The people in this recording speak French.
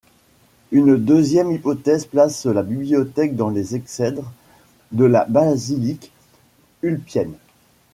Une deuxième hypothèse place la bibliothèque dans les exèdres de la basilique Ulpienne.